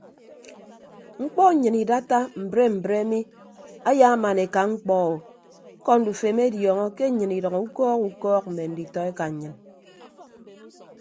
Mkpọ nnyịn idatta mbre mbre mi ayaaman eka mkpọ o ñkọ ndufo emediọñọ ke nnyịn idʌño ukọọk ukọọk mme nditọ eka nnyịn.